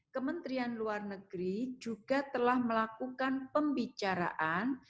kementerian luar negeri juga telah melakukan pembicaraan